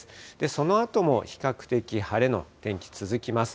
そのあとも比較的晴れの天気、続きます。